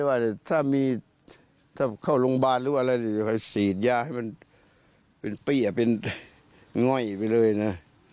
ถ้าเข้าโรงพยาบาลหรืออะไรสีดยาให้มันเปรี้ยเป็นง่อยไปเลยนะ